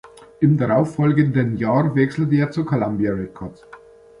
Im darauf folgenden Jahr wechselte er zu Columbia Records.